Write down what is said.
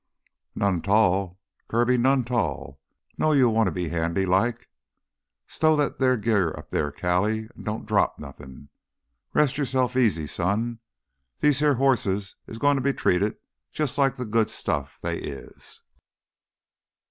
"None 'tall, Kirby, none 'tall. Know you want to be handy like. Stow that there gear up above, Callie, an' don't you drop nothin'. Rest yourself easy, son. These here hosses is goin' to be treated jus' like th' good stuff they is."